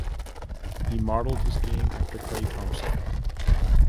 He modeled his game after Klay Thompson.